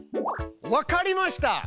わかりました！